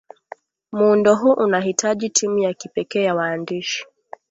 muundo huu unatahitaji timu ya kipekee ya waandishi